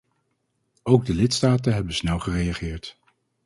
Ook de lidstaten hebben snel gereageerd.